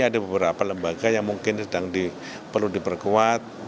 ada beberapa lembaga yang mungkin sedang perlu diperkuat